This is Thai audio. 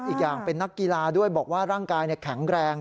อีกอย่างเป็นนักกีฬาด้วยบอกว่าร่างกายแข็งแรง